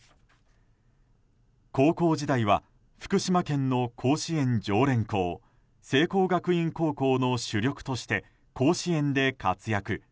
高校時代は福島県の甲子園常連校聖光学院高校の主力として甲子園で活躍。